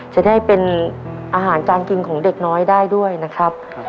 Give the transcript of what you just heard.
จะได้เป็นอาหารการกินของเด็กน้อยได้ด้วยนะครับ